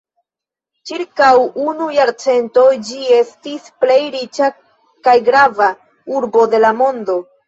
Ĉirkaŭ unu jarcento ĝi estis plej riĉa kaj grava urbo de la mondo.